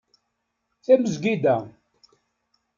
Tamezgida